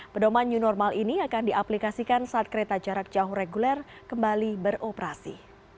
pedoman new normal ini akan diaplikasikan saat kereta jarak jauh reguler kembali beroperasi